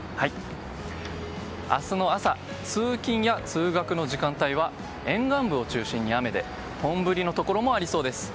明日の朝、通勤や通学の時間帯は沿岸部を中心に雨で本降りのところもありそうです。